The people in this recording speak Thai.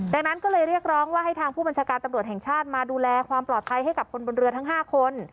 ดังนั้นก็เลยเรียกร้องว่าให้ทางผู้บัญชาการตำรวจแห่งชาติมาดูแลความปลอดภัยให้กับคนบนเรือทั้ง๕คน